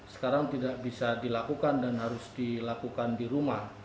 sekarang tidak bisa dilakukan dan harus dilakukan di rumah